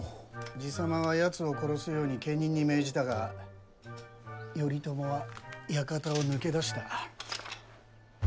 爺様はやつを殺すように家人に命じたが頼朝は館を抜け出した。